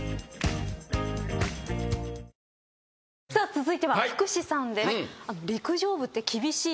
続いては福士さんです。